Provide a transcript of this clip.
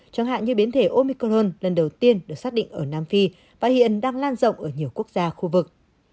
chẳng hạn như biến thể omicronool lần đầu tiên được xác định ở nam phi và hiện đang lan rộng ở nhiều quốc gia khu vực